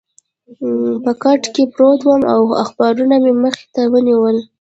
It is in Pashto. په کټ کې پروت وم او اخبارونه مې مخې ته ونیول.